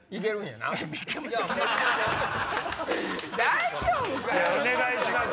大丈夫かよ！